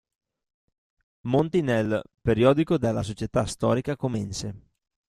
Monti nel "Periodico della Società storica comense".